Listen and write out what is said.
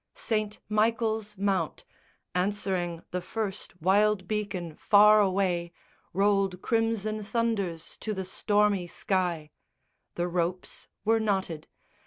St. Michael's Mount, Answering the first wild beacon far away, Rolled crimson thunders to the stormy sky! The ropes were knotted.